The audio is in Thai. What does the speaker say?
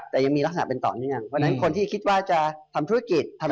แต่ยังมีลักษณะเป็นตอนอยู่ยัง